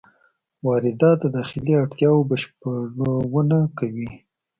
واردات د داخلي اړتیاوو بشپړونه کوي.